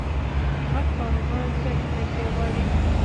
غټ کاروبار زیاتي پیسې غواړي.